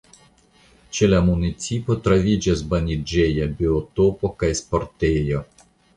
Ĉe la municipo troviĝas baniĝeja biotopo kaj sportejo.